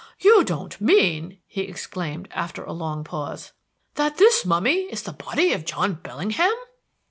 "You don't mean," he exclaimed, after a long pause, "that this mummy is the body of John Bellingham!"